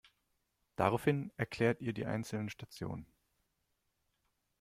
Daraufhin erklärt ihr die einzelnen Stationen.